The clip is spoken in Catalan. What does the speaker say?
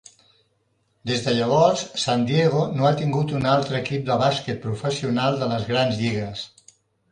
Des de llavors, San Diego no ha tingut un altre equip de bàsquet professional de les grans lligues.